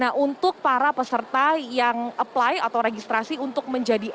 nah untuk para peserta yang apply atau registrasi untuk menjadi